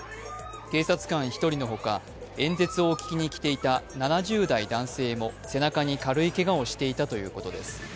警察官１人のほか、演説を聞きに来ていた７０代の男性も背中に軽いけがをしていたということです。